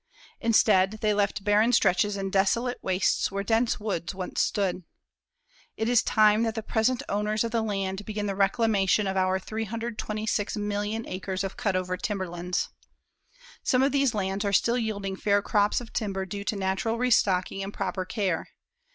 Instead, they left barren stretches and desolate wastes where dense woods once stood. It is time that the present owners of the land begin the reclamation of our 326,000,000 acres of cut over timberlands. Some of these lands still are yielding fair crops of timber due to natural restocking and proper care.